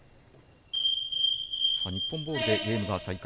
日本ボールでゲーム再開。